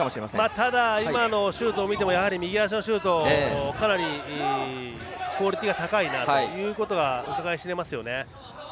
ただ今のシュートを見てもやはり右足のシュートかなりクオリティーが高いなということがうかがい知れますね。